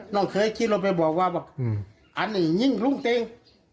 น้องเคยคิดลงไปบอกว่าอันนี้ยิ่งรุ่งเต็ง